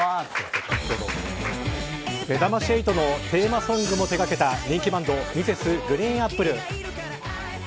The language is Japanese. めざまし８のテーマソングも手掛けた人気バンドＭｒｓ．ＧＲＥＥＮＡＰＰＬＥ。